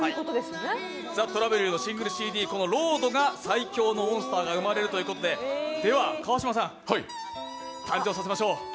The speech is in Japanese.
ＴＨＥ虎舞竜のシングルＣＤ「ロード」が最強のモンスターが生まれるということで、川島さん、誕生させましょう。